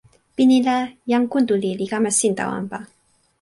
pini la, jan Kuntuli li kama sin tawa anpa.